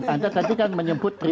anda tadi kan menyebut